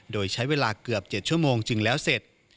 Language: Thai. โดยใช้เวลาเกือบ๗ชั่วโมงจึงแล้วเสร็จ